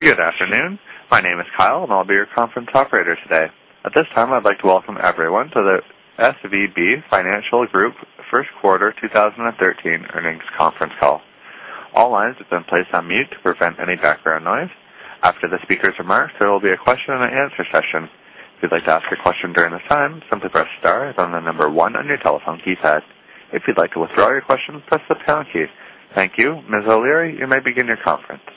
Good afternoon. My name is Kyle, and I'll be your conference operator today. At this time, I'd like to welcome everyone to the SVB Financial Group First Quarter 2013 Earnings Conference Call. All lines have been placed on mute to prevent any background noise. After the speakers' remarks, there will be a question and answer session. If you'd like to ask a question during this time, simply press star, then the number 1 on your telephone keypad. If you'd like to withdraw your question, press the pound key. Thank you. Ms. O'Leary, you may begin your conference. Thank you,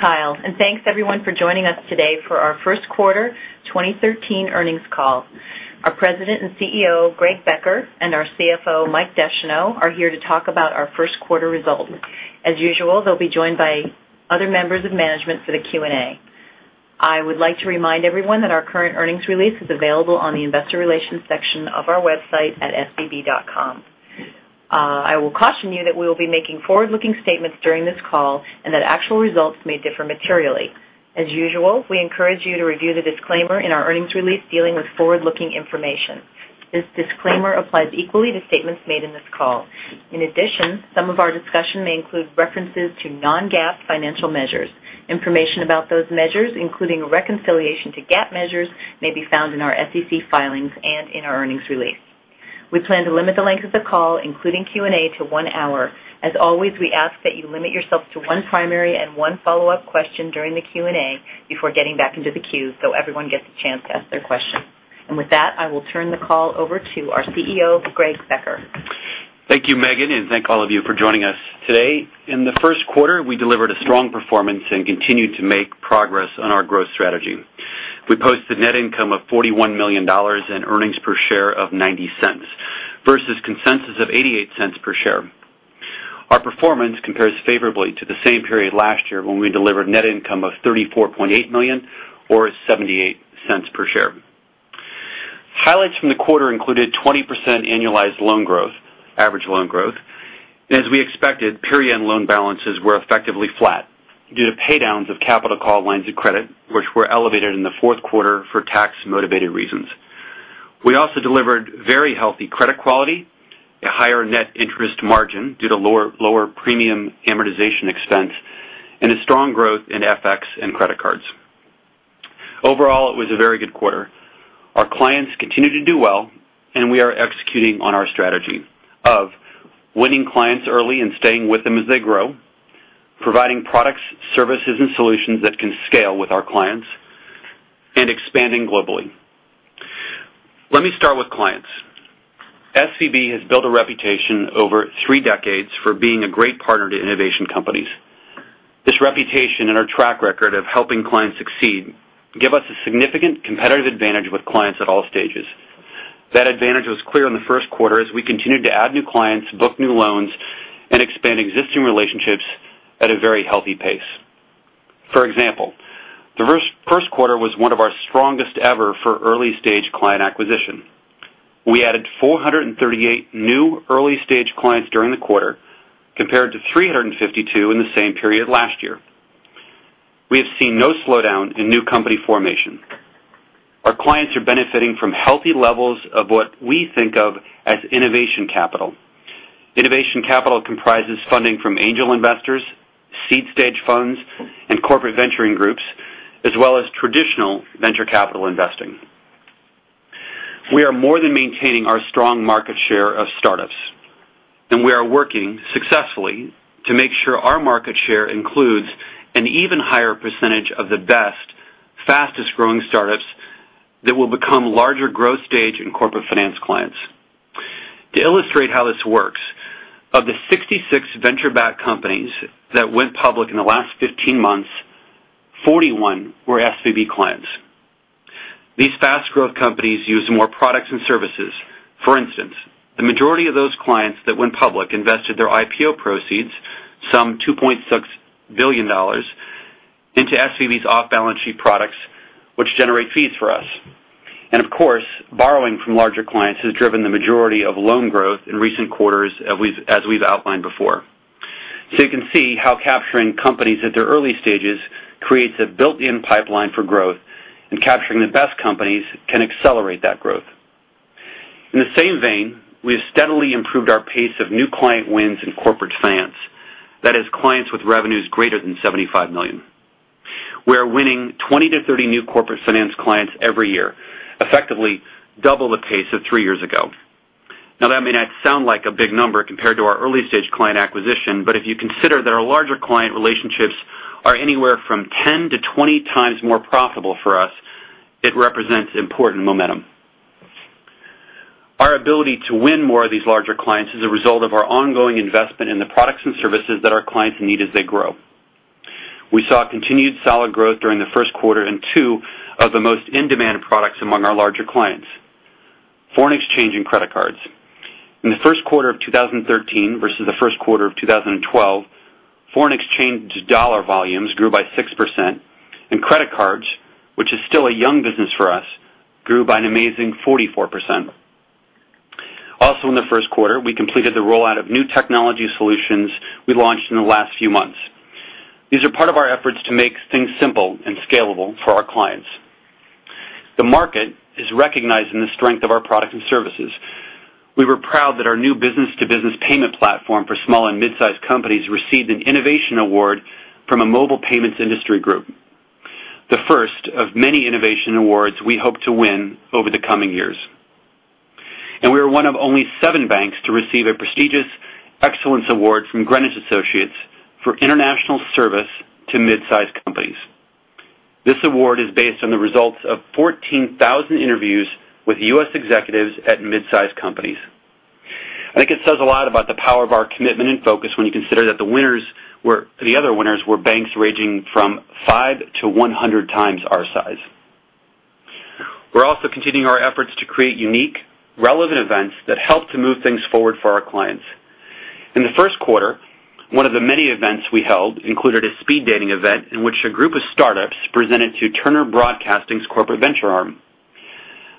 Kyle. Thanks everyone for joining us today for our first quarter 2013 earnings call. Our President and CEO, Greg Becker, and our CFO, Mike Descheneaux, are here to talk about our first quarter results. As usual, they'll be joined by other members of management for the Q&A. I would like to remind everyone that our current earnings release is available on the investor relations section of our website at svb.com. I will caution you that we will be making forward-looking statements during this call and that actual results may differ materially. As usual, we encourage you to review the disclaimer in our earnings release dealing with forward-looking information. This disclaimer applies equally to statements made in this call. In addition, some of our discussion may include references to non-GAAP financial measures. Information about those measures, including a reconciliation to GAAP measures, may be found in our SEC filings and in our earnings release. We plan to limit the length of the call, including Q&A, to one hour. As always, we ask that you limit yourself to one primary and one follow-up question during the Q&A before getting back into the queue so everyone gets a chance to ask their question. With that, I will turn the call over to our CEO, Greg Becker. Thank you, Meghan, and thank all of you for joining us today. In the first quarter, we delivered a strong performance and continued to make progress on our growth strategy. We posted net income of $41 million and earnings per share of $0.90 versus consensus of $0.88 per share. Our performance compares favorably to the same period last year when we delivered net income of $34.8 million or $0.78 per share. Highlights from the quarter included 20% annualized loan growth, average loan growth. As we expected, period-end loan balances were effectively flat due to paydowns of capital call lines of credit, which were elevated in the fourth quarter for tax-motivated reasons. We also delivered very healthy credit quality, a higher net interest margin due to lower premium amortization expense, a strong growth in FX and credit cards. Overall, it was a very good quarter. Our clients continue to do well. We are executing on our strategy of winning clients early and staying with them as they grow, providing products, services, and solutions that can scale with our clients. Expanding globally. Let me start with clients. SVB has built a reputation over three decades for being a great partner to innovation companies. This reputation and our track record of helping clients succeed give us a significant competitive advantage with clients at all stages. That advantage was clear in the first quarter as we continued to add new clients, book new loans, and expand existing relationships at a very healthy pace. For example, the first quarter was one of our strongest ever for early-stage client acquisition. We added 438 new early-stage clients during the quarter, compared to 352 in the same period last year. We have seen no slowdown in new company formation. Our clients are benefiting from healthy levels of what we think of as innovation capital. Innovation capital comprises funding from angel investors, seed-stage funds, and corporate venturing groups, as well as traditional venture capital investing. We are more than maintaining our strong market share of startups. We are working successfully to make sure our market share includes an even higher percentage of the best, fastest-growing startups that will become larger growth stage and corporate finance clients. To illustrate how this works, of the 66 venture-backed companies that went public in the last 15 months, 41 were SVB clients. These fast-growth companies use more products and services. For instance, the majority of those clients that went public invested their IPO proceeds, some $2.6 billion, into SVB's off-balance-sheet products, which generate fees for us. Of course, borrowing from larger clients has driven the majority of loan growth in recent quarters, as we've outlined before. You can see how capturing companies at their early stages creates a built-in pipeline for growth. Capturing the best companies can accelerate that growth. In the same vein, we have steadily improved our pace of new client wins in corporate finance. That is, clients with revenues greater than $75 million. We are winning 20-30 new corporate finance clients every year, effectively double the pace of three years ago. That may not sound like a big number compared to our early-stage client acquisition, but if you consider that our larger client relationships are anywhere from 10-20 times more profitable for us, it represents important momentum. Our ability to win more of these larger clients is a result of our ongoing investment in the products and services that our clients need as they grow. We saw continued solid growth during the first quarter in two of the most in-demand products among our larger clients, foreign exchange and credit cards. In the first quarter of 2013 versus the first quarter of 2012, foreign exchange dollar volumes grew by 6%. Credit cards, which is still a young business for us, grew by an amazing 44%. In the first quarter, we completed the rollout of new technology solutions we launched in the last few months. These are part of our efforts to make things simple and scalable for our clients. The market is recognizing the strength of our products and services. We were proud that our new business-to-business payment platform for small and mid-sized companies received an innovation award from a mobile payments industry group, the first of many innovation awards we hope to win over the coming years. We are one of only seven banks to receive a prestigious excellence award from Greenwich Associates for international service to mid-sized companies. This award is based on the results of 14,000 interviews with U.S. executives at mid-sized companies. I think it says a lot about the power of our commitment and focus when you consider that the other winners were banks ranging from five to 100 times our size. We're also continuing our efforts to create unique, relevant events that help to move things forward for our clients. In the first quarter, one of the many events we held included a speed dating event in which a group of startups presented to Turner Broadcasting's corporate venture arm.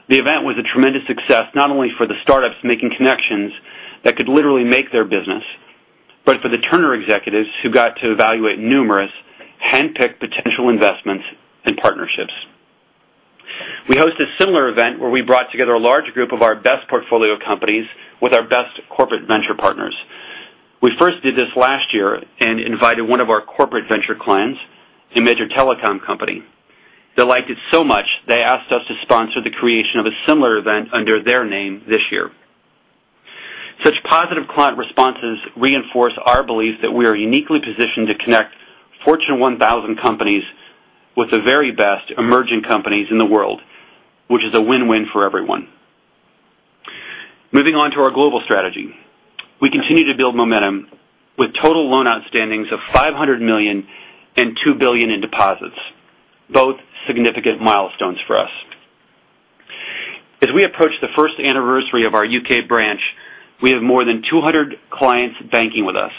The event was a tremendous success, not only for the startups making connections that could literally make their business, but for the Turner executives, who got to evaluate numerous handpicked potential investments and partnerships. We hosted a similar event where we brought together a large group of our best portfolio companies with our best corporate venture partners. We first did this last year and invited one of our corporate venture clients, a major telecom company. They liked it so much, they asked us to sponsor the creation of a similar event under their name this year. Such positive client responses reinforce our belief that we are uniquely positioned to connect Fortune 1,000 companies with the very best emerging companies in the world, which is a win-win for everyone. Moving on to our global strategy. We continue to build momentum with total loan outstandings of $500 million and $2 billion in deposits, both significant milestones for us. As we approach the first anniversary of our U.K. branch, we have more than 200 clients banking with us.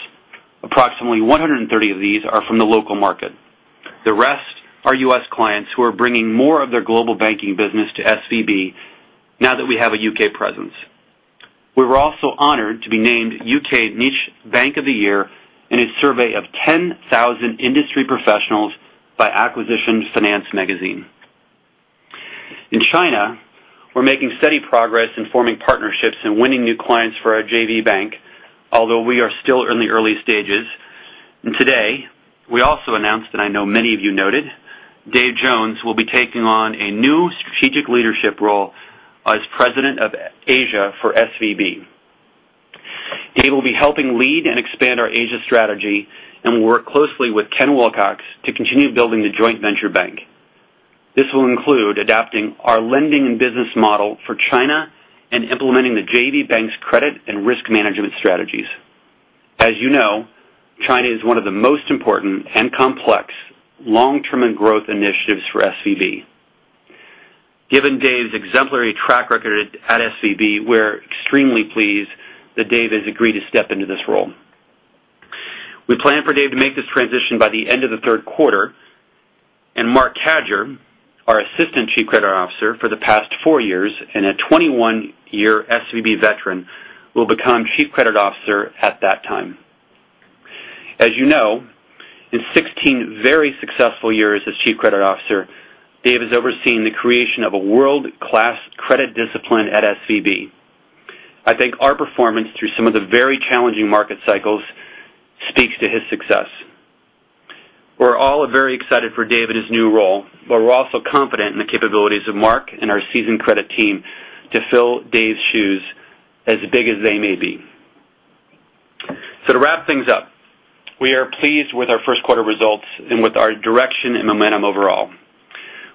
Approximately 130 of these are from the local market. The rest are U.S. clients who are bringing more of their global banking business to SVB now that we have a U.K. presence. We were also honored to be named U.K. Niche Bank of the Year in a survey of 10,000 industry professionals by Acquisition Finance Magazine. In China, we're making steady progress in forming partnerships and winning new clients for our JV bank, although we are still in the early stages. Today, we also announced, and I know many of you noted, Dave Jones will be taking on a new strategic leadership role as President of Asia for SVB. Dave will be helping lead and expand our Asia strategy and will work closely with Ken Wilcox to continue building the joint venture bank. This will include adapting our lending and business model for China and implementing the JV bank's credit and risk management strategies. As you know, China is one of the most important and complex long-term and growth initiatives for SVB. Given Dave's exemplary track record at SVB, we're extremely pleased that Dave has agreed to step into this role. We plan for Dave to make this transition by the end of the third quarter. Marc Cadieux, our assistant Chief Credit Officer for the past four years and a 21-year SVB veteran, will become Chief Credit Officer at that time. As you know, in 16 very successful years as Chief Credit Officer, Dave has overseen the creation of a world-class credit discipline at SVB. I think our performance through some of the very challenging market cycles speaks to his success. We are all very excited for Dave in his new role, but we are also confident in the capabilities of Marc and our seasoned credit team to fill Dave's shoes, as big as they may be. To wrap things up, we are pleased with our first quarter results and with our direction and momentum overall.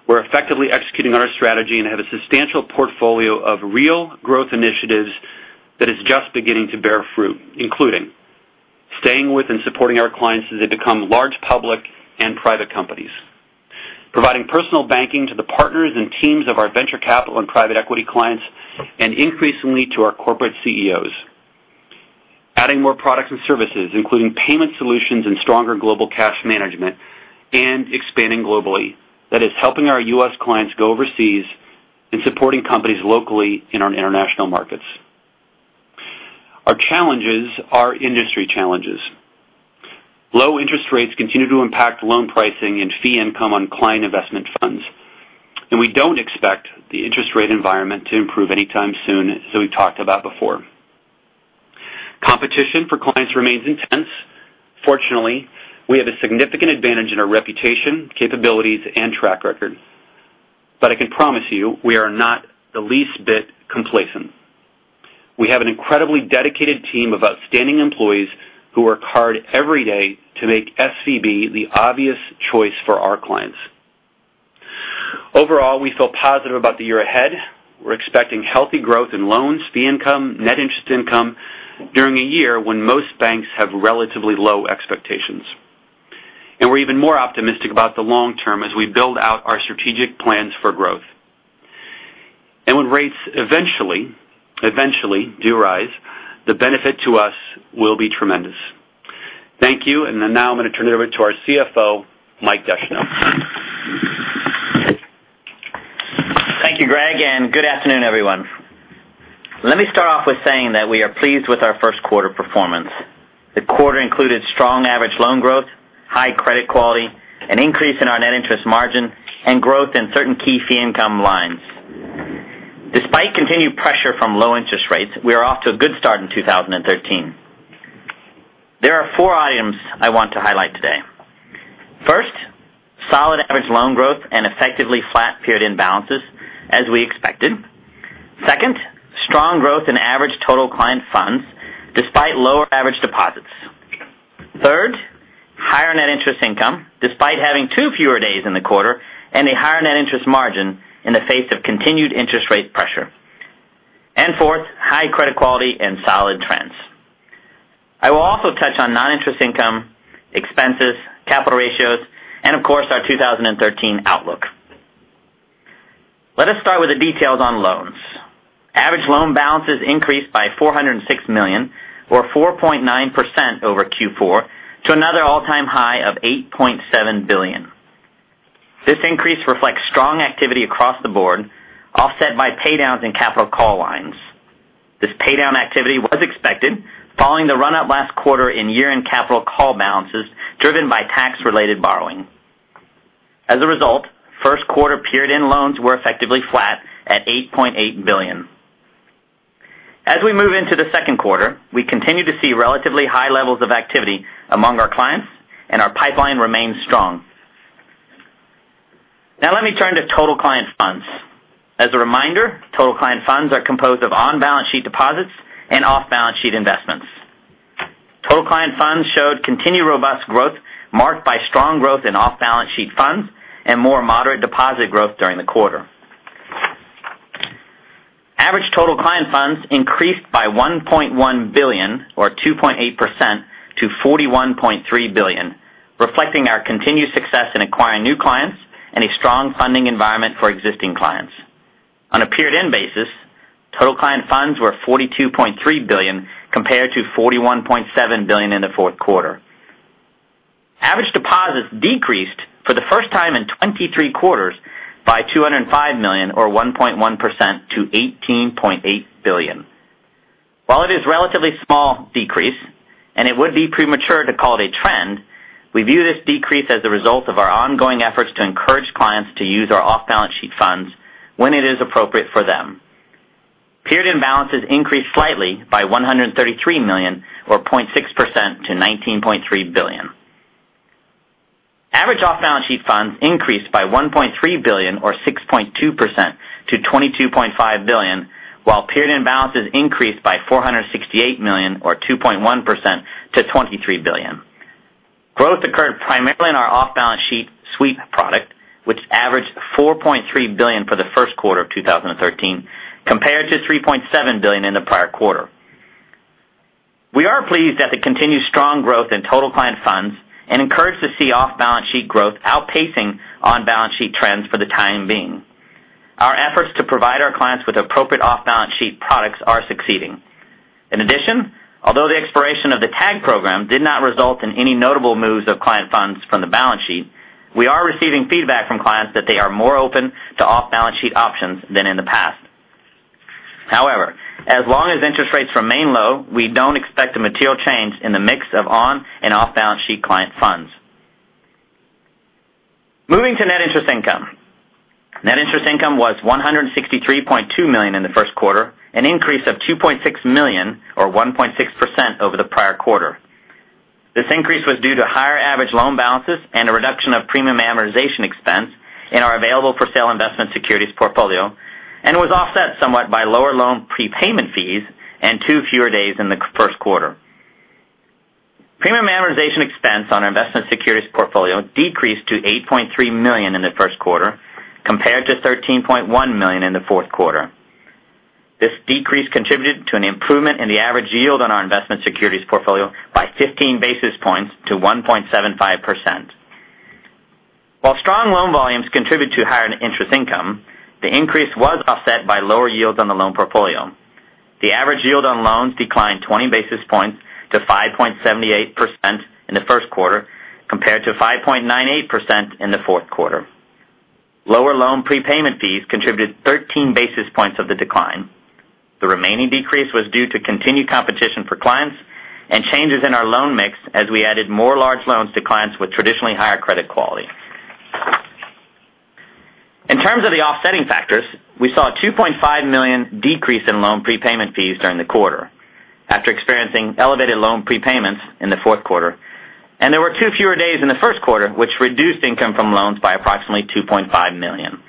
We are effectively executing our strategy and have a substantial portfolio of real growth initiatives that is just beginning to bear fruit, including staying with and supporting our clients as they become large public and private companies. Providing personal banking to the partners and teams of our venture capital and private equity clients, and increasingly to our corporate CEOs. Adding more products and services, including payment solutions and stronger global cash management and expanding globally. That is, helping our U.S. clients go overseas and supporting companies locally in our international markets. Our challenges are industry challenges. Low interest rates continue to impact loan pricing and fee income on client investment funds, and we do not expect the interest rate environment to improve anytime soon, as we talked about before. Competition for clients remains intense. Fortunately, we have a significant advantage in our reputation, capabilities, and track record. I can promise you, we are not the least bit complacent. We have an incredibly dedicated team of outstanding employees who work hard every day to make SVB the obvious choice for our clients. Overall, we feel positive about the year ahead. We are expecting healthy growth in loans, fee income, net interest income during a year when most banks have relatively low expectations. We are even more optimistic about the long term as we build out our strategic plans for growth. When rates eventually do rise, the benefit to us will be tremendous. Thank you. Now I am going to turn it over to our CFO, Mike Descheneaux. Thank you, Greg Becker. I'll start off with saying that we are pleased with our first quarter performance. The quarter included strong average loan growth, high credit quality, an increase in our net interest margin, and growth in certain key fee income lines. Despite continued pressure from low interest rates, we are off to a good start in 2013. There are four items I want to highlight today. First, solid average loan growth and effectively flat period-end balances as we expected. Second, strong growth in average total client funds despite lower average deposits. Third, higher net interest income despite having two fewer days in the quarter and a higher net interest margin in the face of continued interest rate pressure. Fourth, high credit quality and solid trends. I will also touch on non-interest income, expenses, capital ratios, and of course, our 2013 outlook. Let us start with the details on loans. Average loan balances increased by $406 million or 4.9% over Q4 to another all-time high of $8.7 billion. This increase reflects strong activity across the board, offset by paydowns in capital call lines. This paydown activity was expected following the run-up last quarter in year-end capital call balances driven by tax-related borrowing. As a result, first quarter period-end loans were effectively flat at $8.8 billion. As we move into the second quarter, we continue to see relatively high levels of activity among our clients and our pipeline remains strong. Now let me turn to total client funds. As a reminder, total client funds are composed of on-balance sheet deposits and off-balance sheet investments. Total client funds showed continued robust growth marked by strong growth in off-balance sheet funds and more moderate deposit growth during the quarter. Average total client funds increased by $1.1 billion or 2.8% to $41.3 billion, reflecting our continued success in acquiring new clients and a strong funding environment for existing clients. On a period-end basis, total client funds were $42.3 billion compared to $41.7 billion in the fourth quarter. Average deposits decreased for the first time in 23 quarters by $205 million or 1.1% to $18.8 billion. While it is relatively small decrease, and it would be premature to call it a trend, we view this decrease as a result of our ongoing efforts to encourage clients to use our off-balance sheet funds when it is appropriate for them. Period-end balances increased slightly by $133 million or 0.6% to $19.3 billion. Average off-balance sheet funds increased by $1.3 billion or 6.2% to $22.5 billion while period-end balances increased by $468 million or 2.1% to $23 billion. Growth occurred primarily in our off-balance sheet sweep product, which averaged $4.3 billion for the first quarter of 2013 compared to $3.7 billion in the prior quarter. We are pleased at the continued strong growth in total client funds and encouraged to see off-balance sheet growth outpacing on-balance sheet trends for the time being. Our efforts to provide our clients with appropriate off-balance sheet products are succeeding. In addition, although the expiration of the TAG Program did not result in any notable moves of client funds from the balance sheet, we are receiving feedback from clients that they are more open to off-balance sheet options than in the past. However, as long as interest rates remain low, we don't expect a material change in the mix of on and off-balance sheet client funds. Moving to net interest income. Net interest income was $163.2 million in the first quarter, an increase of $2.6 million or 1.6% over the prior quarter. This increase was due to higher average loan balances and a reduction of premium amortization expense in our available-for-sale investment securities portfolio, and was offset somewhat by lower loan prepayment fees and two fewer days in the first quarter. Premium amortization expense on our investment securities portfolio decreased to $8.3 million in the first quarter compared to $13.1 million in the fourth quarter. This decrease contributed to an improvement in the average yield on our investment securities portfolio by 15 basis points to 1.75%. While strong loan volumes contribute to higher net interest income, the increase was offset by lower yields on the loan portfolio. The average yield on loans declined 20 basis points to 5.78% in the first quarter compared to 5.98% in the fourth quarter. Lower loan prepayment fees contributed 13 basis points of the decline. The remaining decrease was due to continued competition for clients and changes in our loan mix as we added more large loans to clients with traditionally higher credit quality. In terms of the offsetting factors, we saw a $2.5 million decrease in loan prepayment fees during the quarter after experiencing elevated loan prepayments in the fourth quarter, and there were two fewer days in the first quarter, which reduced income from loans by approximately $2.5 million.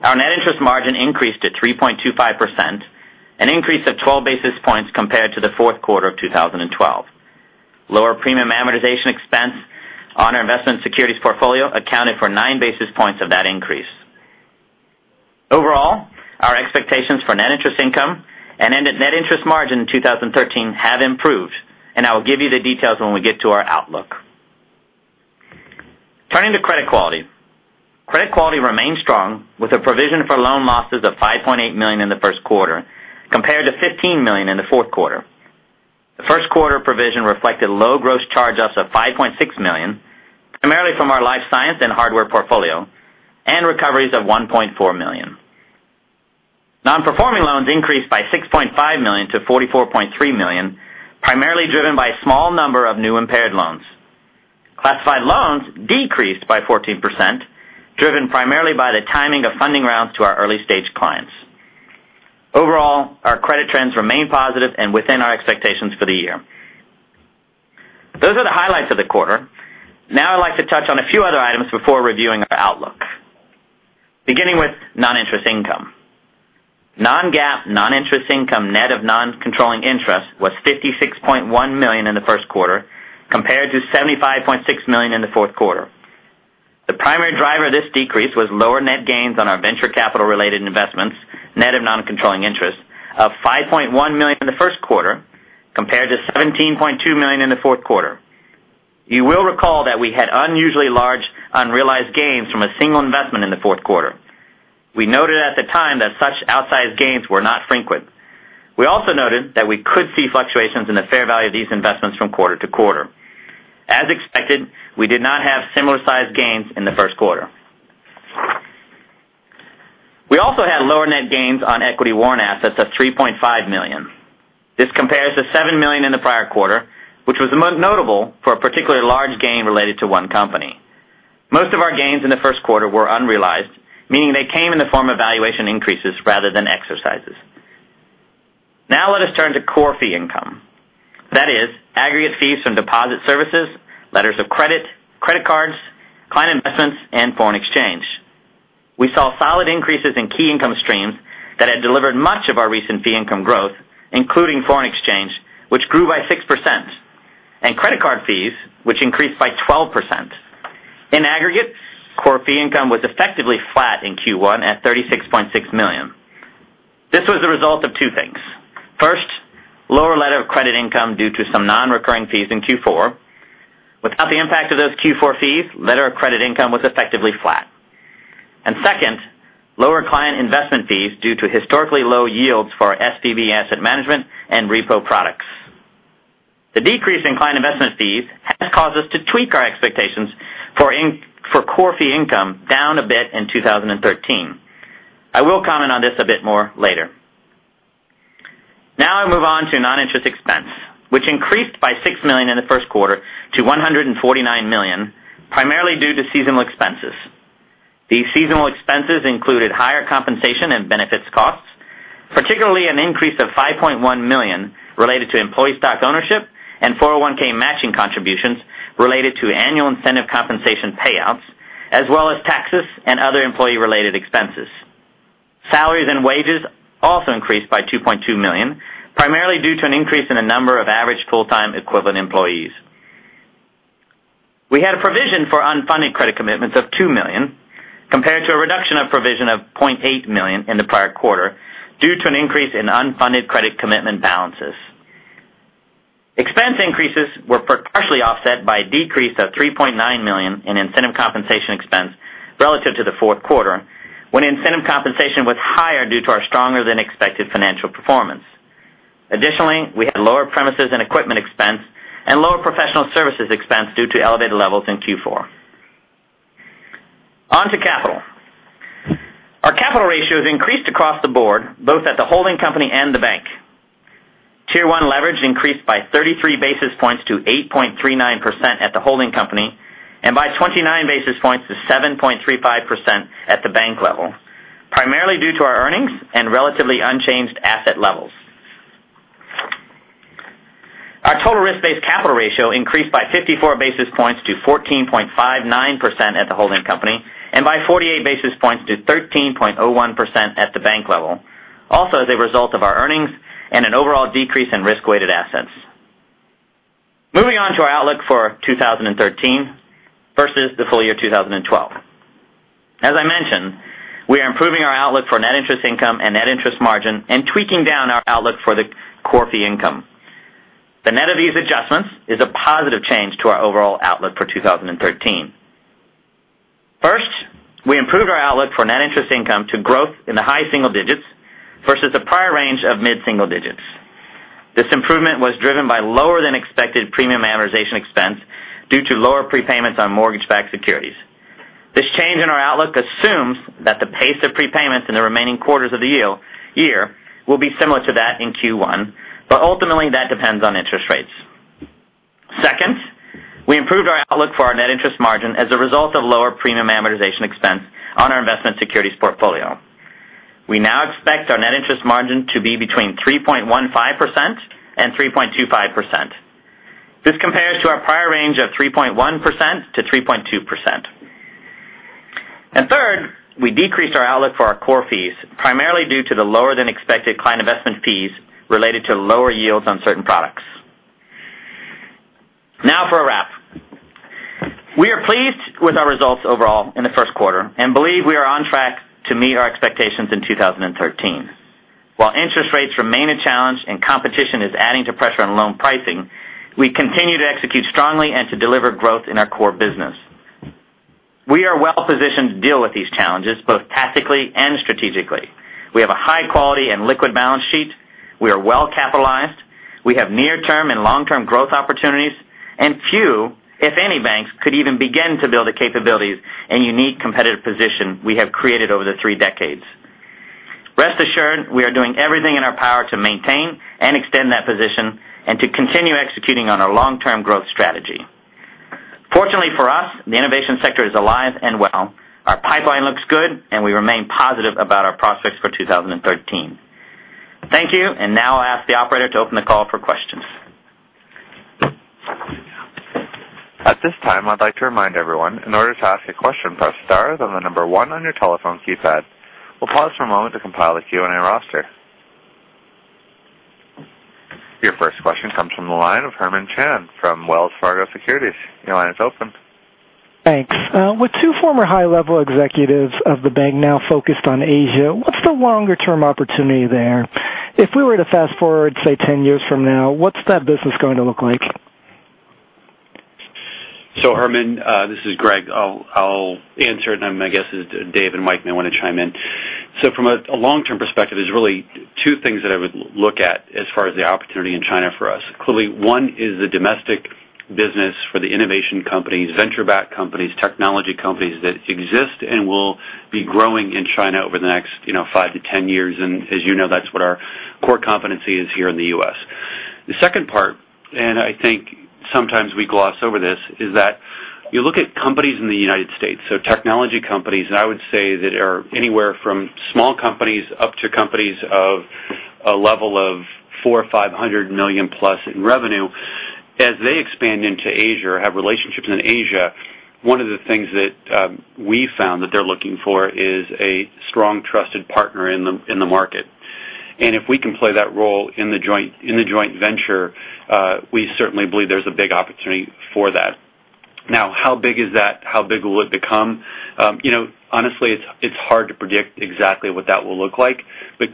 Our net interest margin increased to 3.25%, an increase of 12 basis points compared to the fourth quarter of 2012. Lower premium amortization expense on our investment securities portfolio accounted for nine basis points of that increase. Overall, our expectations for net interest income and net interest margin in 2013 have improved. I will give you the details when we get to our outlook. Turning to credit quality. Credit quality remains strong with a provision for loan losses of $5.8 million in the first quarter compared to $15 million in the fourth quarter. The first quarter provision reflected low gross charge-offs of $5.6 million, primarily from our life science and hardware portfolio, and recoveries of $1.4 million. Non-performing loans increased by $6.5 million to $44.3 million, primarily driven by a small number of new impaired loans. Classified loans decreased by 14%, driven primarily by the timing of funding rounds to our early-stage clients. Overall, our credit trends remain positive and within our expectations for the year. Those are the highlights of the quarter. Now I'd like to touch on a few other items before reviewing our outlook. Beginning with non-interest income. Non-GAAP non-interest income, net of non-controlling interest, was $56.1 million in the first quarter, compared to $75.6 million in the fourth quarter. The primary driver of this decrease was lower net gains on our venture capital related investments, net of non-controlling interest of $5.1 million in the first quarter, compared to $17.2 million in the fourth quarter. You will recall that we had unusually large unrealized gains from a single investment in the fourth quarter. We noted at the time that such outsized gains were not frequent. We also noted that we could see fluctuations in the fair value of these investments from quarter to quarter. As expected, we did not have similar sized gains in the first quarter. We also had lower net gains on equity warrant assets of $3.5 million. This compares to $7 million in the prior quarter, which was most notable for a particularly large gain related to one company. Most of our gains in the first quarter were unrealized, meaning they came in the form of valuation increases rather than exercises. Let us turn to core fee income. That is aggregate fees from deposit services, letters of credit, and credit cards, client investments, and foreign exchange. We saw solid increases in key income streams that had delivered much of our recent fee income growth, including foreign exchange, which grew by 6%, and credit card fees, which increased by 12%. In aggregate, core fee income was effectively flat in Q1 at $36.6 million. This was a result of two things. First, lower letter of credit income due to some non-recurring fees in Q4. Without the impact of those Q4 fees, letter of credit income was effectively flat. And second, lower client investment fees due to historically low yields for our SVB Asset Management and repo products. The decrease in client investment fees has caused us to tweak our expectations for core fee income down a bit in 2013. I will comment on this a bit more later. I move on to non-interest expense, which increased by $6 million in the first quarter to $149 million, primarily due to seasonal expenses. These seasonal expenses included higher compensation and benefits costs, particularly an increase of $5.1 million related to employee stock ownership and 401(k) matching contributions related to annual incentive compensation payouts, as well as taxes and other employee-related expenses. Salaries and wages also increased by $2.2 million, primarily due to an increase in the number of average full-time equivalent employees. We had a provision for unfunded credit commitments of $2 million, compared to a reduction of provision of $0.8 million in the prior quarter, due to an increase in unfunded credit commitment balances. Expense increases were partially offset by a decrease of $3.9 million in incentive compensation expense relative to the fourth quarter, when incentive compensation was higher due to our stronger than expected financial performance. Additionally, we had lower premises and equipment expense and lower professional services expense due to elevated levels in Q4. On to capital. Our capital ratios increased across the board, both at the holding company and the bank. Tier 1 leverage increased by 33 basis points to 8.39% at the holding company and by 29 basis points to 7.35% at the bank level, primarily due to our earnings and relatively unchanged asset levels. Our total risk-based capital ratio increased by 54 basis points to 14.59% at the holding company and by 48 basis points to 13.01% at the bank level, also as a result of our earnings and an overall decrease in risk-weighted assets. Moving on to our outlook for 2013 versus the full year 2012. As I mentioned, we are improving our outlook for net interest income and net interest margin and tweaking down our outlook for the core fee income. The net of these adjustments is a positive change to our overall outlook for 2013. First, we improved our outlook for net interest income to growth in the high single digits versus the prior range of mid-single digits. This improvement was driven by lower than expected premium amortization expense due to lower prepayments on mortgage-backed securities. This change in our outlook assumes that the pace of prepayments in the remaining quarters of the year will be similar to that in Q1, but ultimately that depends on interest rates. Second, we improved our outlook for our net interest margin as a result of lower premium amortization expense on our investment securities portfolio. We now expect our net interest margin to be between 3.15% and 3.25%. This compares to our prior range of 3.1%-3.2%. Third, we decreased our outlook for our core fees, primarily due to the lower than expected client investment fees related to lower yields on certain products. Now for a wrap. We are pleased with our results overall in the first quarter and believe we are on track to meet our expectations in 2013. While interest rates remain a challenge and competition is adding to pressure on loan pricing, we continue to execute strongly and to deliver growth in our core business. We are well positioned to deal with these challenges, both tactically and strategically. We have a high quality and liquid balance sheet. We are well capitalized. We have near-term and long-term growth opportunities, and few, if any, banks could even begin to build the capabilities and unique competitive position we have created over the three decades. Rest assured, we are doing everything in our power to maintain and extend that position and to continue executing on our long-term growth strategy. Fortunately for us, the innovation sector is alive and well. Our pipeline looks good, and we remain positive about our prospects for 2013. Thank you. Now I'll ask the operator to open the call for questions. At this time, I'd like to remind everyone, in order to ask a question, press star, then the number one on your telephone keypad. We'll pause for a moment to compile a Q&A roster. Your first question comes from the line of Herman Chan from Wells Fargo Securities. Your line is open. Thanks. With two former high-level executives of the bank now focused on Asia, what's the longer-term opportunity there? If we were to fast-forward, say, 10 years from now, what's that business going to look like? Herman, this is Greg. I'll answer it, my guess is Dave and Mike may want to chime in. From a long-term perspective, there's really two things that I would look at as far as the opportunity in China for us. Clearly, one is the domestic business for the innovation companies, venture-backed companies, technology companies that exist and will be growing in China over the next five to 10 years. As you know, that's what our core competency is here in the U.S. The second part, I think sometimes we gloss over this, is that you look at companies in the United States, technology companies, I would say that are anywhere from small companies up to companies of a level of 400 or 500 million-plus in revenue. As they expand into Asia or have relationships in Asia, one of the things that we found that they're looking for is a strong, trusted partner in the market. If we can play that role in the joint venture, we certainly believe there's a big opportunity for that. How big is that? How big will it become? Honestly, it's hard to predict exactly what that will look like.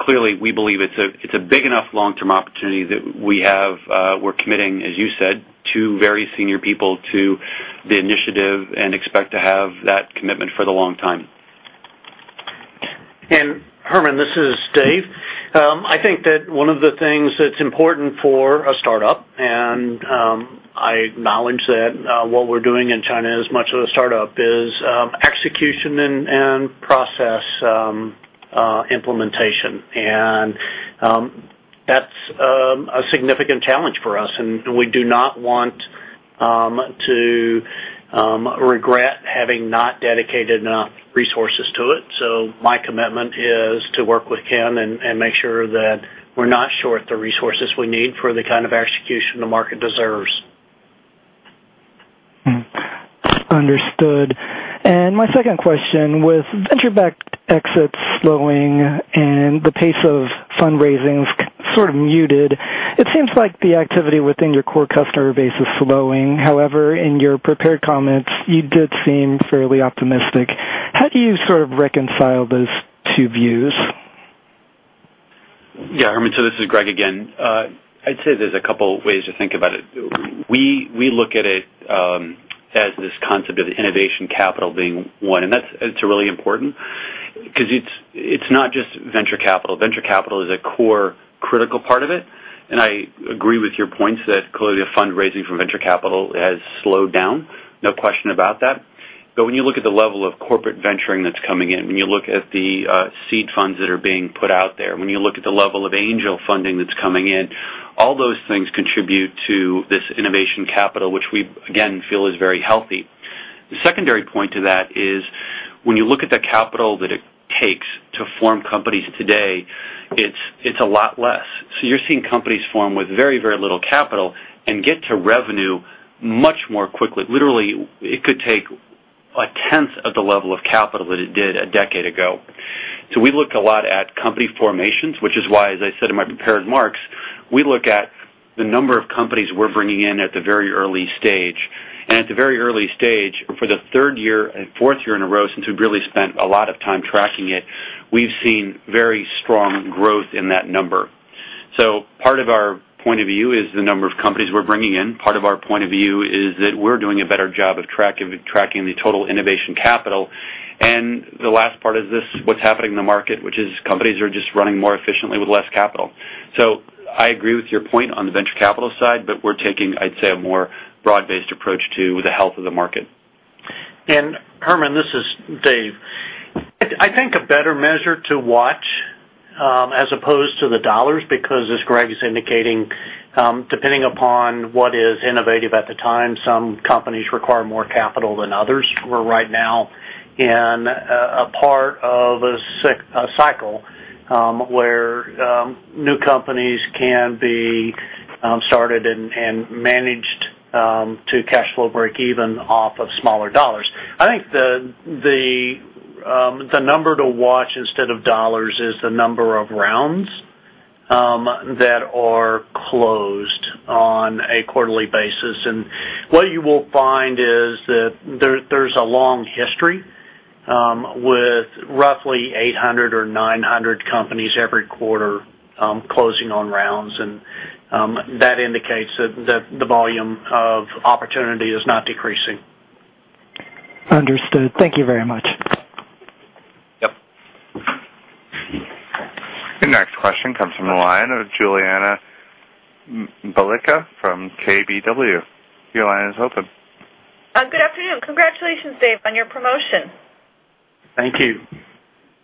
Clearly, we believe it's a big enough long-term opportunity that we're committing, as you said, two very senior people to the initiative and expect to have that commitment for the long time. Herman, this is Dave. I think that one of the things that's important for a startup, I acknowledge that what we're doing in China is much of a startup, is execution and process implementation. That's a significant challenge for us, we do not want to regret having not dedicated enough resources to it. My commitment is to work with Ken and make sure that we're not short the resources we need for the kind of execution the market deserves. Understood. My second question. With venture-backed exits slowing and the pace of fundraisings sort of muted, it seems like the activity within your core customer base is slowing. However, in your prepared comments, you did seem fairly optimistic. How do you sort of reconcile those two views? Herman, this is Greg again. I'd say there's a couple ways to think about it. We look at it as this concept of innovation capital being one, that's really important because it's not just venture capital. Venture capital is a core critical part of it, I agree with your points that clearly fundraising for venture capital has slowed down. No question about that. When you look at the level of corporate venturing that's coming in, when you look at the seed funds that are being put out there, when you look at the level of angel funding that's coming in, all those things contribute to this innovation capital, which we, again, feel is very healthy. The secondary point to that is when you look at the capital that it takes to form companies today, it's a lot less. You're seeing companies form with very little capital and get to revenue much more quickly. Literally, it could take a tenth of the level of capital that it did a decade ago. We look a lot at company formations, which is why, as I said in my prepared remarks, we look at the number of companies we're bringing in at the very early stage. At the very early stage, for the third year and fourth year in a row, since we've really spent a lot of time tracking it, we've seen very strong growth in that number. Part of our point of view is the number of companies we're bringing in. Part of our point of view is that we're doing a better job of tracking the total innovation capital. The last part is this, what's happening in the market, which is companies are just running more efficiently with less capital. I agree with your point on the venture capital side, we're taking, I'd say, a more broad-based approach to the health of the market. Herman, this is Dave. I think a better measure to watch, as opposed to the dollars, because as Greg is indicating, depending upon what is innovative at the time, some companies require more capital than others. We're right now in a part of a cycle where new companies can be started and managed to cash flow breakeven off of smaller dollars. I think the number to watch instead of dollars is the number of rounds that are closed on a quarterly basis. What you will find is that there's a long history With roughly 800 or 900 companies every quarter closing on rounds, that indicates that the volume of opportunity is not decreasing. Understood. Thank you very much. Yep. Your next question comes from the line of Julianna Balicka from KBW. Your line is open. Good afternoon. Congratulations, Dave, on your promotion. Thank you.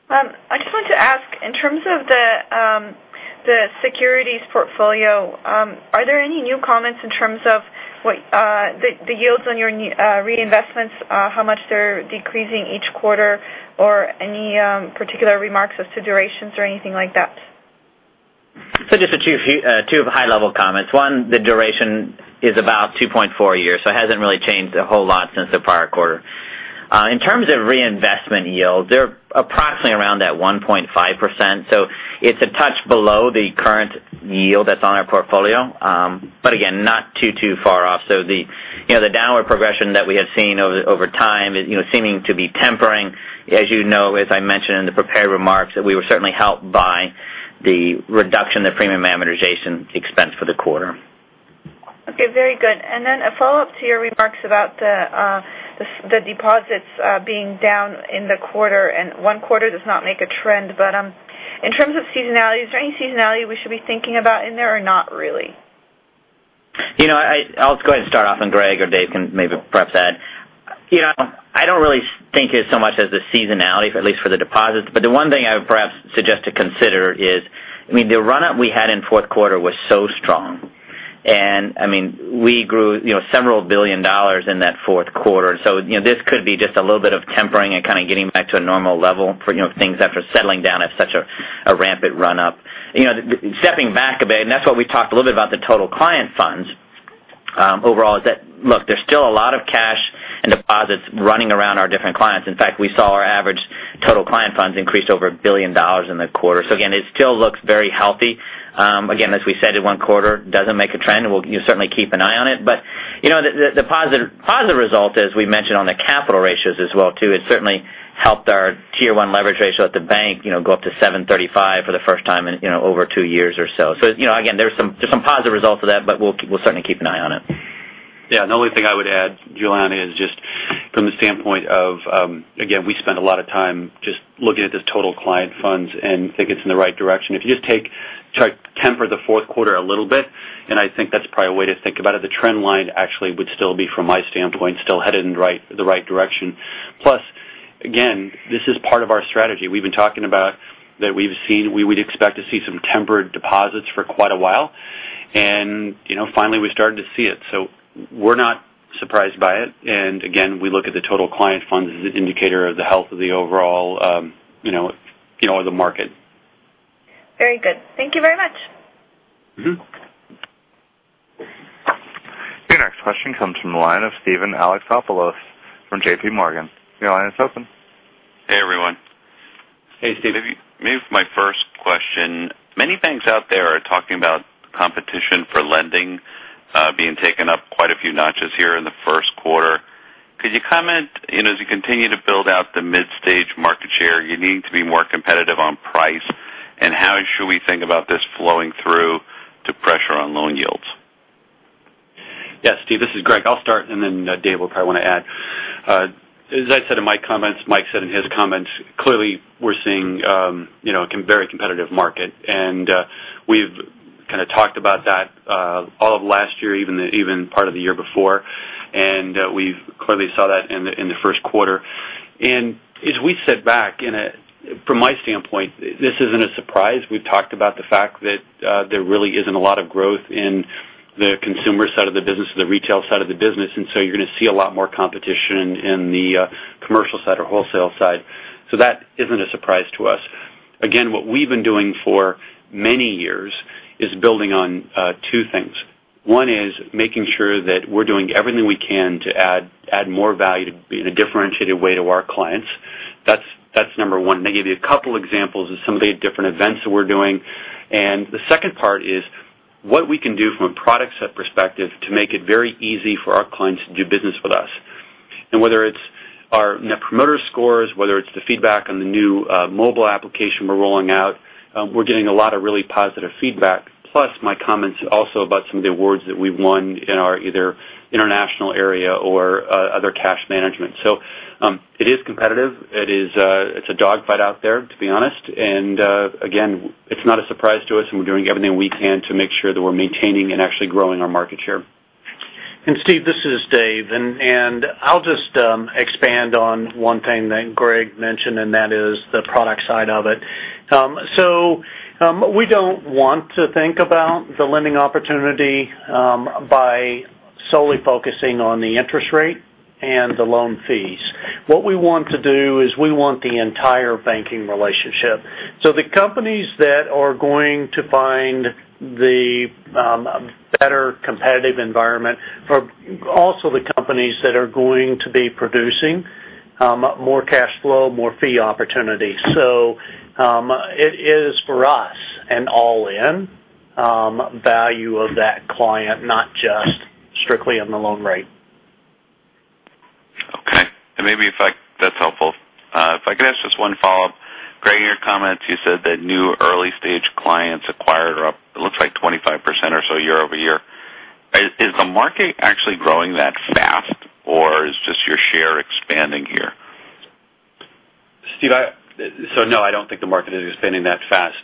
I just wanted to ask, in terms of the securities portfolio, are there any new comments in terms of the yields on your reinvestments, how much they're decreasing each quarter, or any particular remarks as to durations or anything like that? Just two high-level comments. One, the duration is about 2.4 years. It hasn't really changed a whole lot since the prior quarter. In terms of reinvestment yields, they're approximately around that 1.5%. It's a touch below the current yield that's on our portfolio. Again, not too far off. The downward progression that we have seen over time is seeming to be tempering. As you know, as I mentioned in the prepared remarks, that we were certainly helped by the reduction in the premium amortization expense for the quarter. Okay, very good. A follow-up to your remarks about the deposits being down in the quarter, and one quarter does not make a trend. In terms of seasonality, is there any seasonality we should be thinking about in there or not really? I'll go ahead and start off, and Greg or Dave can maybe perhaps add. I don't really think it's so much as the seasonality, at least for the deposits. The one thing I would perhaps suggest to consider is, the run-up we had in fourth quarter was so strong, and we grew several billion dollars in that fourth quarter. This could be just a little bit of tempering and kind of getting back to a normal level for things after settling down of such a rampant run-up. Stepping back a bit, and that's what we talked a little bit about the total client funds overall, is that, look, there's still a lot of cash and deposits running around our different clients. In fact, we saw our average total client funds increase over $1 billion in the quarter. Again, it still looks very healthy. Again, as we said, one quarter doesn't make a trend, and we'll certainly keep an eye on it. The positive result is we mentioned on the capital ratios as well too. It certainly helped our tier 1 leverage ratio at the bank go up to 735 for the first time in over two years or so. Again, there's some positive results of that, we'll certainly keep an eye on it. Yeah. The only thing I would add, Julianna, is just from the standpoint of, again, we spend a lot of time just looking at the total client funds and think it's in the right direction. If you just take temper the fourth quarter a little bit, I think that's probably a way to think about it. The trend line actually would still be, from my standpoint, still headed in the right direction. Plus, again, this is part of our strategy. We've been talking about that we would expect to see some tempered deposits for quite a while, and finally we're starting to see it. We're not surprised by it. Again, we look at the total client funds as an indicator of the health of the overall market. Very good. Thank you very much. Your next question comes from the line of Steven Alexopoulos from JPMorgan. Your line is open. Hey, everyone. Hey, Steven. Maybe for my first question, many banks out there are talking about competition for lending being taken up quite a few notches here in the first quarter. Could you comment, as you continue to build out the mid-stage market share, you need to be more competitive on price, and how should we think about this flowing through to pressure on loan yields? Yes, Steven, this is Greg. I'll start, then David will probably want to add. As I said in my comments, Mike said in his comments, clearly, we're seeing a very competitive market. We've kind of talked about that all of last year, even part of the year before. We've clearly saw that in the first quarter. As we sit back, from my standpoint, this isn't a surprise. We've talked about the fact that there really isn't a lot of growth in the consumer side of the business or the retail side of the business, you're going to see a lot more competition in the commercial side or wholesale side. That isn't a surprise to us. Again, what we've been doing for many years is building on 2 things. One is making sure that we're doing everything we can to add more value in a differentiated way to our clients. That's number one, and I gave you a couple examples of some of the different events that we're doing. The second part is what we can do from a product set perspective to make it very easy for our clients to do business with us. Whether it's our Net Promoter Score, whether it's the feedback on the new mobile application we're rolling out, we're getting a lot of really positive feedback. Plus, my comments also about some of the awards that we've won in our either international area or other cash management. It is competitive. It's a dog fight out there, to be honest. Again, it's not a surprise to us, and we're doing everything we can to make sure that we're maintaining and actually growing our market share. Steve, this is Dave. I'll just expand on one thing that Greg mentioned, and that is the product side of it. We don't want to think about the lending opportunity by solely focusing on the interest rate and the loan fees. What we want to do is we want the entire banking relationship. The companies that are going to find the better competitive environment are also the companies that are going to be producing more cash flow, more fee opportunities. It is, for us, an all-in value of that client, not just Strictly on the loan rate. Okay. Maybe if I that's helpful. If I could ask just one follow-up. Greg, in your comments, you said that new early-stage clients acquired are up, it looks like 25% or so year-over-year. Is the market actually growing that fast, or is just your share expanding here? Steve, no, I don't think the market is expanding that fast.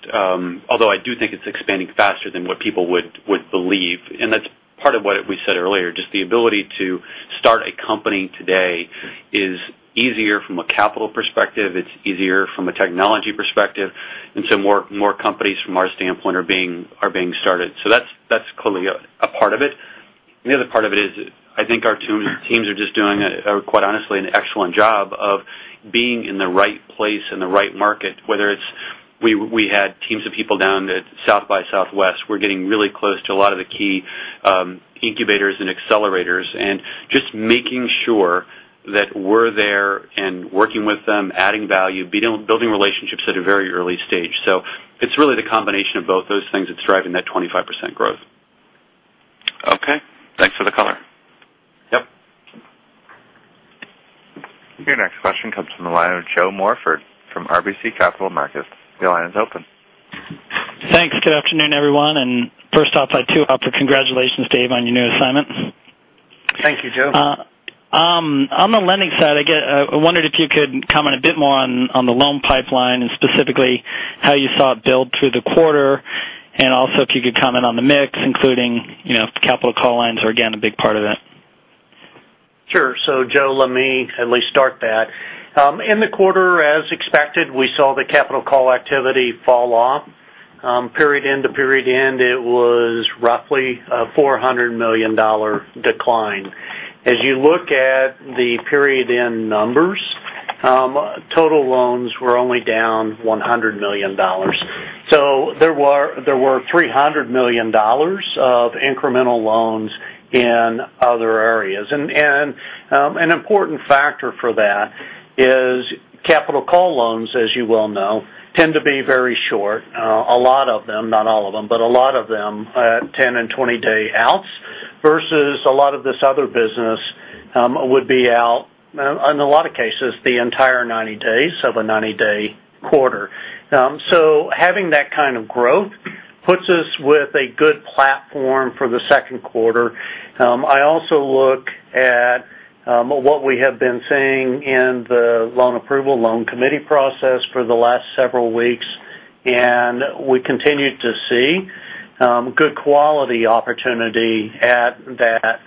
Although I do think it's expanding faster than what people would believe, and that's part of what we said earlier, just the ability to start a company today is easier from a capital perspective, it's easier from a technology perspective, more companies from our standpoint are being started. That's clearly a part of it. The other part of it is I think our teams are just doing, quite honestly, an excellent job of being in the right place, in the right market, whether it's we had teams of people down at South by Southwest. We're getting really close to a lot of the key incubators and accelerators, and just making sure that we're there and working with them, adding value, building relationships at a very early stage. It's really the combination of both those things that's driving that 25% growth. Okay. Thanks for the color. Yep. Your next question comes from the line of Joe Morford from RBC Capital Markets. Your line is open. Thanks. Good afternoon, everyone. First off, I too offer congratulations, Dave, on your new assignment. Thank you, Joe. On the lending side, I wondered if you could comment a bit more on the loan pipeline and specifically how you saw it build through the quarter, also if you could comment on the mix, including if capital call lines are again a big part of that. Sure. Joe, let me at least start that. In the quarter, as expected, we saw the capital call activity fall off. Period end to period end, it was roughly a $400 million decline. As you look at the period end numbers, total loans were only down $100 million. There were $300 million of incremental loans in other areas. An important factor for that is capital call loans, as you well know, tend to be very short. A lot of them, not all of them, but a lot of them, 10 and 20-day outs versus a lot of this other business would be out, in a lot of cases, the entire 90 days of a 90-day quarter. Having that kind of growth puts us with a good platform for the second quarter. I also look at what we have been seeing in the loan approval, loan committee process for the last several weeks, we continue to see good quality opportunity at that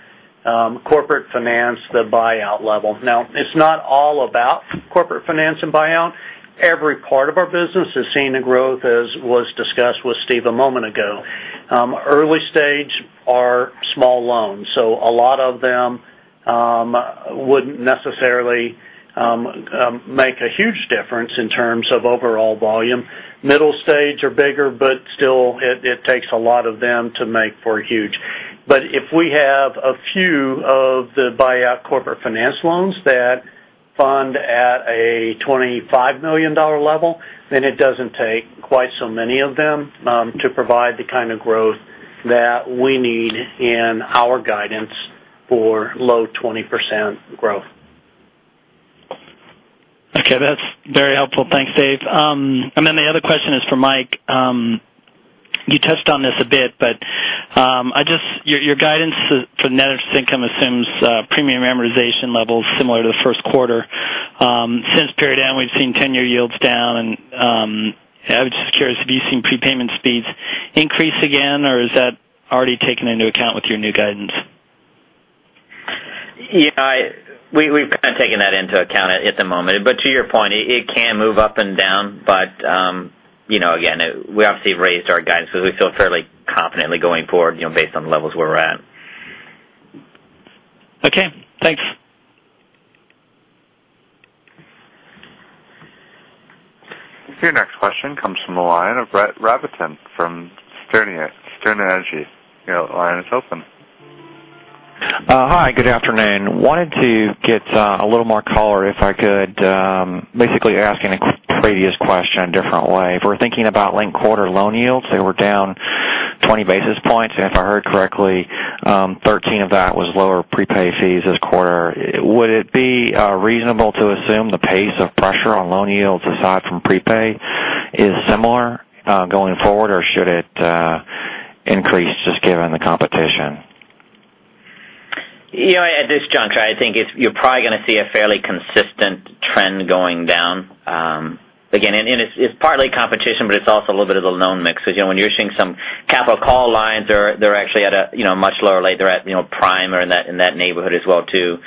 corporate finance, the buyout level. It's not all about corporate finance and buyout. Every part of our business is seeing a growth, as was discussed with Steve a moment ago. Early stage are small loans, a lot of them wouldn't necessarily make a huge difference in terms of overall volume. Middle stage are bigger, still, it takes a lot of them to make for huge. If we have a few of the buyout corporate finance loans that fund at a $25 million level, it doesn't take quite so many of them to provide the kind of growth that we need in our guidance for low 20% growth. Okay. That's very helpful. Thanks, David. The other question is for Mike. You touched on this a bit, but your guidance for net interest income assumes premium amortization levels similar to the first quarter. Since period end, we've seen 10-year yields down, and I was just curious, have you seen prepayment speeds increase again, or is that already taken into account with your new guidance? Yeah. We've kind of taken that into account at the moment, to your point, it can move up and down. Again, we obviously raised our guidance because we feel fairly confidently going forward based on the levels where we're at. Okay, thanks. Your next question comes from the line of Brett Rabatin from Sterne Agee. Your line is open. Hi, good afternoon. Wanted to get a little more color, if I could, basically asking a previous question a different way. If we're thinking about linked quarter loan yields, they were down 20 basis points, and if I heard correctly, 13 of that was lower prepay fees this quarter. Would it be reasonable to assume the pace of pressure on loan yields aside from prepay is similar going forward, or should it increase just given the competition? At this juncture, I think you're probably going to see a fairly consistent trend going down. Again, it's partly competition, but it's also a little bit of the loan mix because when you're seeing some capital call lines, they're actually at a much lower rate. They're at prime or in that neighborhood as well too.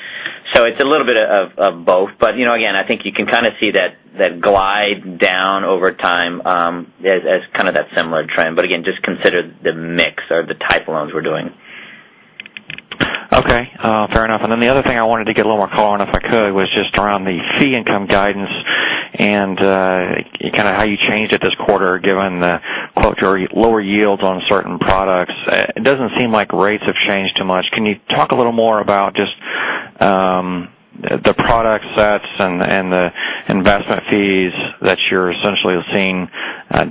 It's a little bit of both. Again, I think you can kind of see that glide down over time as kind of that similar trend. Again, just consider the mix or the type of loans we're doing. Okay. Fair enough. Then the other thing I wanted to get a little more color on, if I could, was just around the fee income guidance and kind of how you changed it this quarter given the quote, "lower yields on certain products." It doesn't seem like rates have changed too much. Can you talk a little more about just the product sets and the investment fees that you're essentially seeing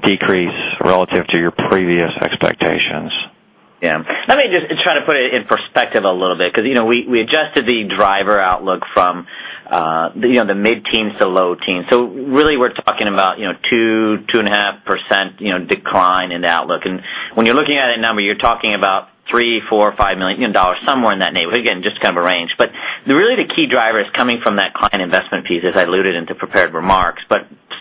decrease relative to your previous expectations. Yeah. Let me just try to put it in perspective a little bit, because we adjusted the driver outlook from the mid-teens to low teens. Really, we're talking about 2%, 2.5% decline in the outlook. When you're looking at a number, you're talking about $3 million, $4 million, $5 million, somewhere in that neighborhood. Again, just kind of a range. Really the key driver is coming from that client investment piece, as I alluded in the prepared remarks.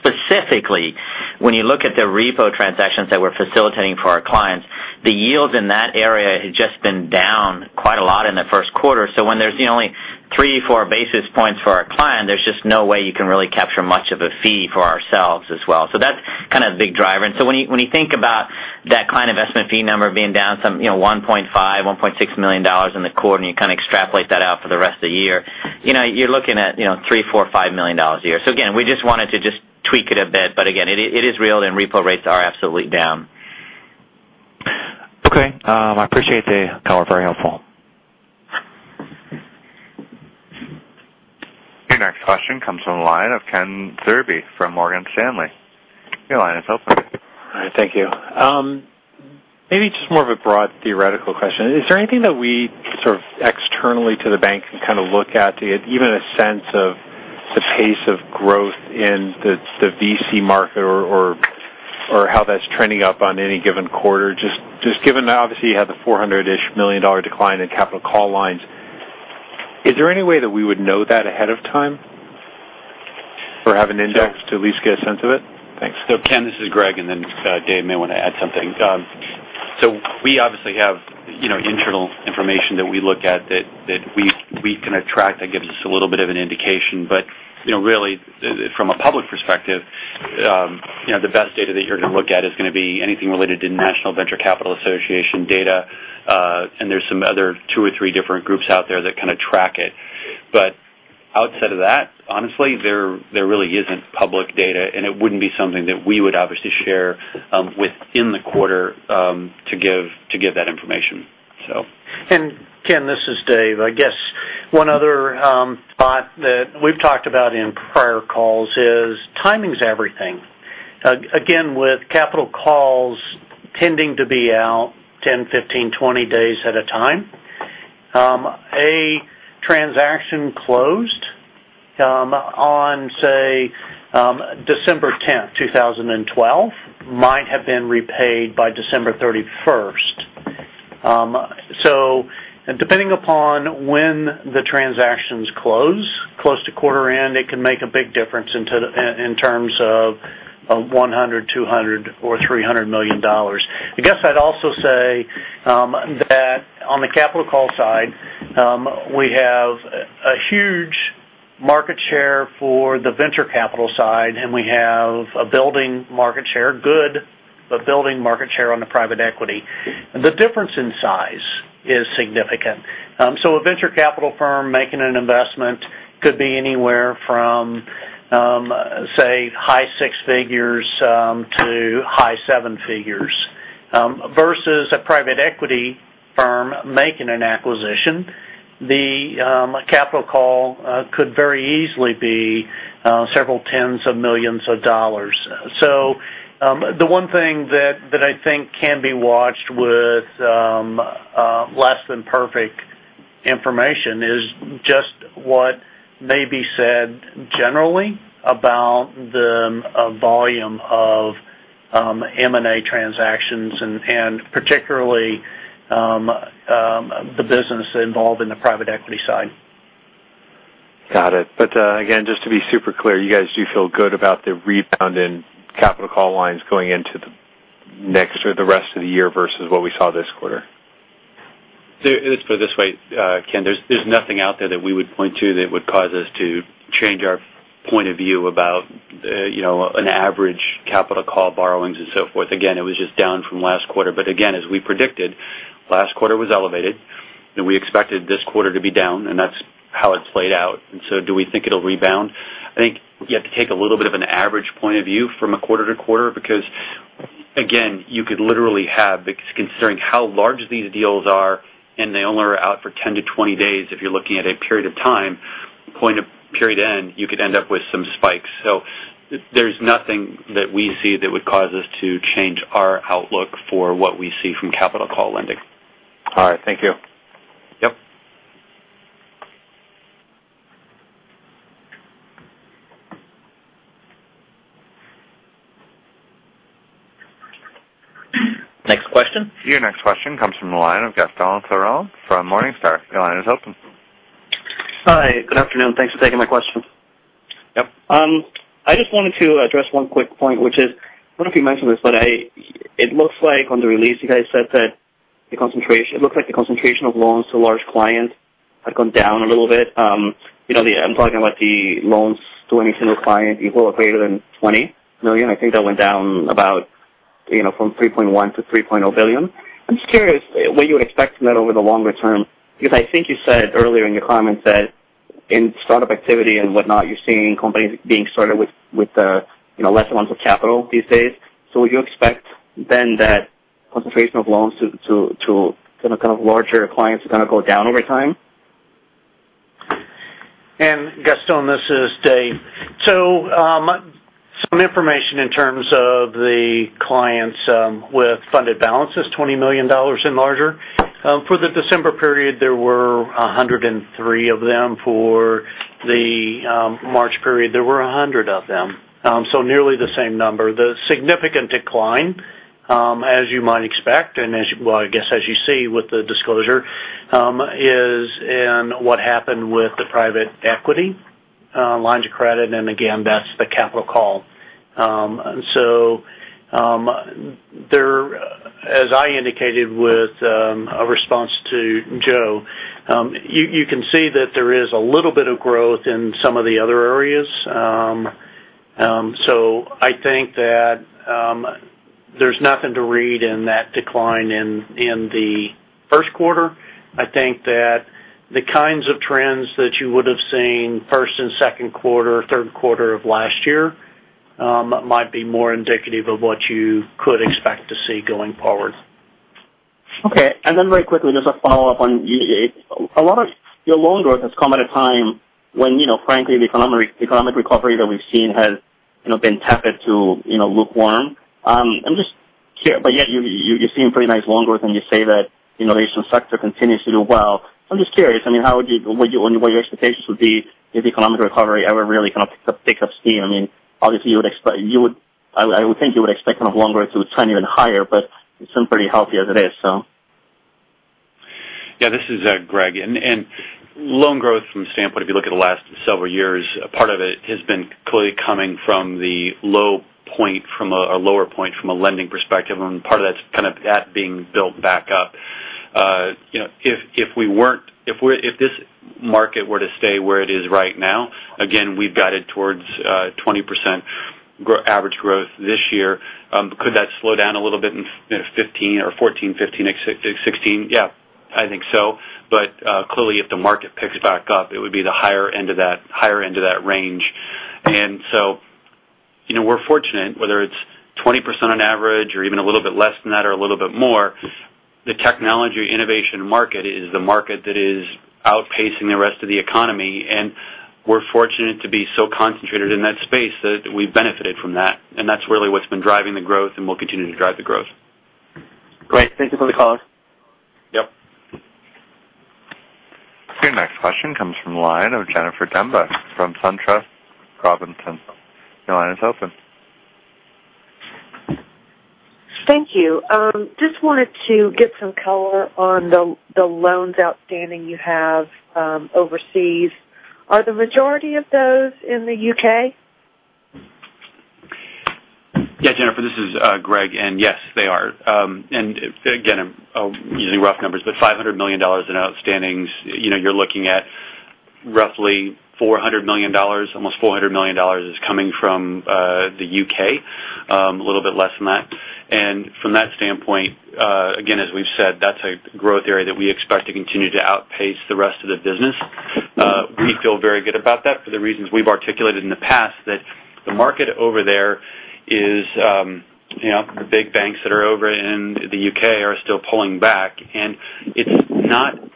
Specifically, when you look at the repo transactions that we're facilitating for our clients, the yields in that area had just been down quite a lot in the first quarter. When there's only three, four basis points for our client, there's just no way you can really capture much of a fee for ourselves as well. That's kind of the big driver. When you think about that client investment fee number being down some $1.5 million, $1.6 million in the quarter, and you kind of extrapolate that out for the rest of the year, you're looking at $3 million, $4 million, $5 million a year. Again, we just wanted to tweak it a bit. Again, it is real, and repo rates are absolutely down. Okay. I appreciate the color. Very helpful. Your next question comes from the line of Kenneth Zerbe from Morgan Stanley. Your line is open. Hi, thank you. Maybe just more of a broad theoretical question. Is there anything that we sort of externally to the bank can kind of look at to get even a sense of the pace of growth in the VC market or how that's trending up on any given quarter? Just given that obviously you had the $400-ish million decline in capital call lines, is there any way that we would know that ahead of time or have an index to at least get a sense of it? Thanks. Ken, this is Greg, Dave may want to add something. We obviously have internal information that we look at that we can attract that gives us a little bit of an indication. Really from a public perspective, the best data that you're going to look at is going to be anything related to National Venture Capital Association data. There's some other two or three different groups out there that kind of track it. Outside of that, honestly, there really isn't public data, it wouldn't be something that we would obviously share within the quarter to give that information. Ken, this is Dave. I guess one other spot that we've talked about in prior calls is timing's everything. Again, with capital calls tending to be out 10, 15, 20 days at a time. A transaction closed on, say, December 10th, 2012, might have been repaid by December 31st. Depending upon when the transactions close to quarter end, it can make a big difference in terms of $100 million, $200 million, or $300 million. I guess I'd also say that on the capital call side, we have a huge market share for the venture capital side, and we have a building market share, good, but building market share on the private equity. The difference in size is significant. A venture capital firm making an investment could be anywhere from, say, high six figures to high seven figures. Versus a private equity firm making an acquisition, the capital call could very easily be several tens of millions of dollars. The one thing that I think can be watched with less than perfect information is just what may be said generally about the volume of M&A transactions and particularly the business involved in the private equity side. Got it. Again, just to be super clear, you guys do feel good about the rebound in capital call lines going into the next or the rest of the year versus what we saw this quarter? Let's put it this way, Ken. There's nothing out there that we would point to that would cause us to change our point of view about an average capital call borrowings and so forth. Again, it was just down from last quarter. Again, as we predicted, last quarter was elevated, and we expected this quarter to be down, and that's how it's played out. Do we think it'll rebound? I think you have to take a little bit of an average point of view from a quarter to quarter, because again, you could literally have, considering how large these deals are, and they only are out for 10 to 20 days, if you're looking at a period of time, period end, you could end up with some spikes. There's nothing that we see that would cause us to change our outlook for what we see from capital call lending. All right. Thank you. Yep. Next question. Your next question comes from the line of Gaston Thurone from Morningstar. Your line is open. Hi, good afternoon. Thanks for taking my question. Yep. I just wanted to address one quick point, which is, I don't know if you mentioned this, but it looks like on the release you guys said that it looks like the concentration of loans to large clients had gone down a little bit. I'm talking about the loans to any single client equal or greater than $20 million. I think that went down about from $3.1 billion-$3.0 billion. I'm just curious what you would expect from that over the longer term, because I think you said earlier in your comments that in startup activity and whatnot, you're seeing companies being started with less amounts of capital these days. Would you expect then that concentration of loans to larger clients is going to go down over time? Gaston, this is David Jones. Some information in terms of the clients with funded balances $20 million and larger. For the December period, there were 103 of them. For the March period, there were 100 of them. Nearly the same number. The significant decline, as you might expect, and as you see with the disclosure, is in what happened with the private equity lines of credit, and again, that's the capital call. As I indicated with a response to Joseph K. Morford, you can see that there is a little bit of growth in some of the other areas. I think that there's nothing to read in that decline in the first quarter. I think that the kinds of trends that you would've seen first and second quarter, third quarter of last year, might be more indicative of what you could expect to see going forward. Okay. Very quickly, just a follow-up on a lot of your loan growth has come at a time when frankly, the economic recovery that we've seen has been tepid to lukewarm. Yet you're seeing pretty nice loan growth, and you say that innovation sector continues to do well. I'm just curious, what your expectations would be if the economic recovery ever really kind of picks up steam. I would think you would expect loan growth to trend even higher, but it's been pretty healthy as it is. Yeah, this is Greg. Loan growth from standpoint, if you look at the last several years, part of it has been clearly coming from the low point, from a lower point from a lending perspective, and part of that's kind of that being built back up. If this market were to stay where it is right now, again, we've guided towards 20% average growth this year. Could that slow down a little bit in 2015 or 2014, 2015, and 2016? Yeah, I think so. Clearly if the market picks back up, it would be the higher end of that range. We're fortunate whether it's 20% on average or even a little bit less than that, or a little bit more. The technology innovation market is the market that is outpacing the rest of the economy, and we're fortunate to be so concentrated in that space that we've benefited from that. That's really what's been driving the growth and will continue to drive the growth. Great. Thank you for the call. Yep. Your next question comes from the line of Jennifer Demba from SunTrust Robinson. Your line is open. Thank you. Just wanted to get some color on the loans outstanding you have overseas. Are the majority of those in the U.K.? Yeah, Jennifer, this is Greg. Yes, they are. Again, I'm using rough numbers, but $500 million in outstandings. You're looking at roughly $400 million, almost $400 million is coming from the U.K., a little bit less than that. From that standpoint, again, as we've said, that's a growth area that we expect to continue to outpace the rest of the business. We feel very good about that for the reasons we've articulated in the past, that the market over there is, the big banks that are over in the U.K. are still pulling back, and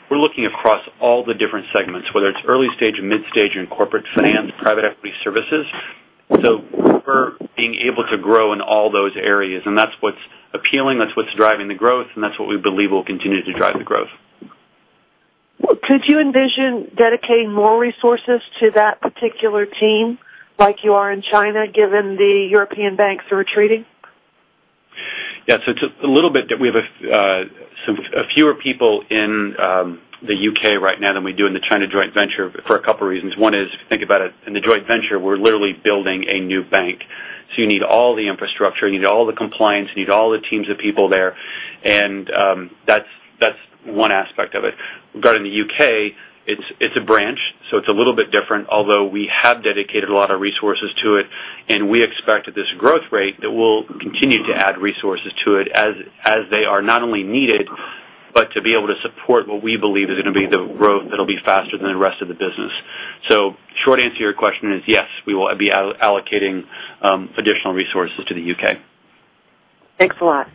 we're looking across all the different segments, whether it's early stage or mid stage and corporate finance, private equity services. We're being able to grow in all those areas, and that's what's appealing. That's what's driving the growth, and that's what we believe will continue to drive the growth. Could you envision dedicating more resources to that particular team like you are in China, given the European banks are retreating? Yeah. It's a little bit that we have a fewer people in the U.K. right now than we do in the China joint venture for a couple reasons. One is, if you think about it, in the joint venture, we're literally building a new bank. You need all the infrastructure, you need all the compliance, you need all the teams of people there, and that's one aspect of it. Regarding the U.K., it's a branch, so it's a little bit different. Although we have dedicated a lot of resources to it, and we expect at this growth rate that we'll continue to add resources to it as they are not only needed, but to be able to support what we believe is going to be the growth that'll be faster than the rest of the business. Short answer to your question is, yes, we will be allocating additional resources to the U.K. Thanks a lot.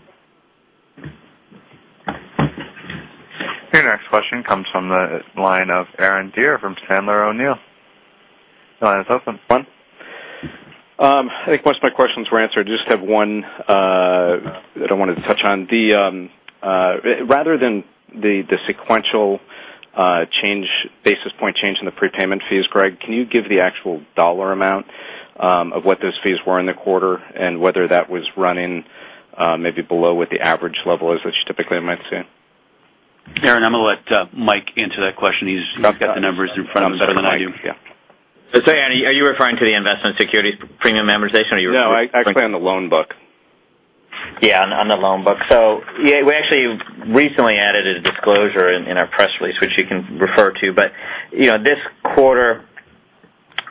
Your next question comes from the line of Aaron Deer from Sandler O'Neill. Your line is open. Go on. I think most of my questions were answered. I just have one that I wanted to touch on. Rather than the sequential basis point change in the prepayment fees, Greg, can you give the actual dollar amount of what those fees were in the quarter and whether that was running maybe below what the average level is, which typically I might see? Aaron, I'm going to let Mike answer that question. He's got the numbers in front of him. That's fine. Yeah. Sorry, Aaron, are you referring to the investment securities premium amortization, or are you? Actually on the loan book. On the loan book. We actually recently added a disclosure in our press release, which you can refer to. This quarter,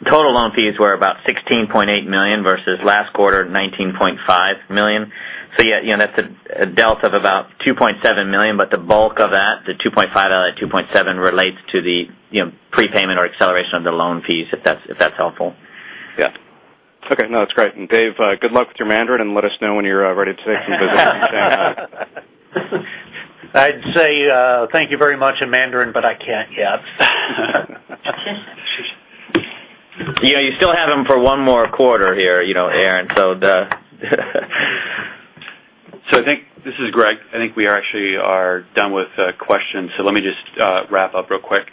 total loan fees were about $16.8 million versus last quarter, $19.5 million. That's a delta of about $2.7 million. The bulk of that, the $2.5 out of $2.7 relates to the prepayment or acceleration of the loan fees. That's great. Dave, good luck with your Mandarin, let us know when you're ready to take some visits. I'd say thank you very much in Mandarin, but I can't yet. You still have him for one more quarter here, Aaron. This is Greg. I think we actually are done with questions, let me just wrap up real quick.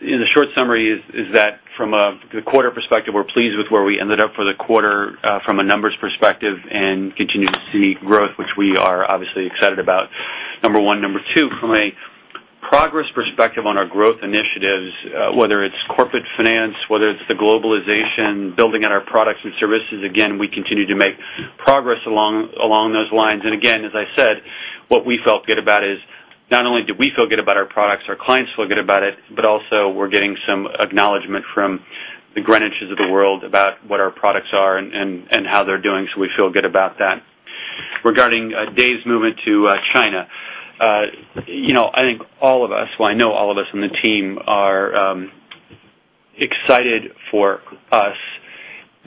In a short summary is that from a quarter perspective, we're pleased with where we ended up for the quarter from a numbers perspective and continue to see growth, which we are obviously excited about, number 1. Number 2, from a progress perspective on our growth initiatives, whether it's corporate finance, whether it's the globalization, building out our products and services, again, we continue to make progress along those lines. Again, as I said, what we felt good about is not only do we feel good about our products, our clients feel good about it, but also we're getting some acknowledgement from the Greenwich of the world about what our products are and how they're doing, so we feel good about that. Regarding Dave's movement to China. I think all of us, well, I know all of us on the team are excited for us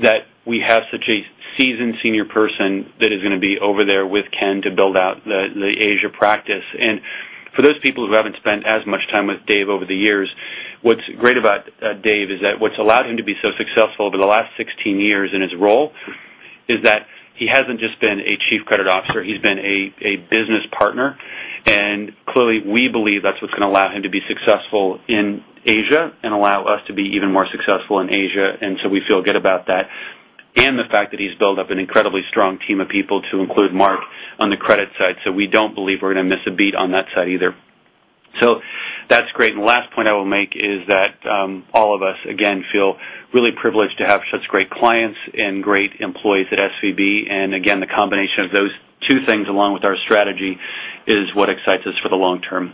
that we have such a seasoned senior person that is going to be over there with Ken to build out the Asia practice. For those people who haven't spent as much time with Dave over the years, what's great about Dave is that what's allowed him to be so successful over the last 16 years in his role is that he hasn't just been a chief credit officer, he's been a business partner. Clearly, we believe that's what's going to allow him to be successful in Asia and allow us to be even more successful in Asia. We feel good about that. The fact that he's built up an incredibly strong team of people to include Mark on the credit side. We don't believe we're going to miss a beat on that side either. That's great. The last point I will make is that all of us, again, feel really privileged to have such great clients and great employees at SVB. Again, the combination of those two things, along with our strategy, is what excites us for the long term.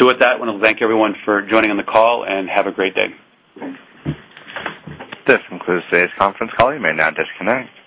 With that, I want to thank everyone for joining on the call, and have a great day. This concludes today's conference call. You may now disconnect.